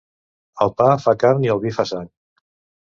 El pa fa carn i el vi fa sang.